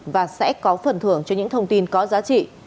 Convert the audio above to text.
hãy có phần thưởng cho những thông tin có giá trị